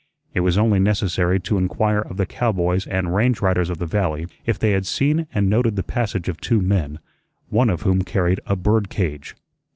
It was only necessary to inquire of the cowboys and range riders of the valley if they had seen and noted the passage of two men, one of whom carried a bird cage.